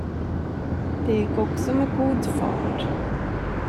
Det gick också med god fart.